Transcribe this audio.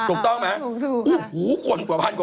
ต้องอยู่นออกหายดูออกบ้างอะ